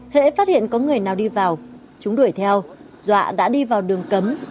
hãy phát hiện có người nào đi vào chúng đuổi theo dọa đã đi vào đường cấm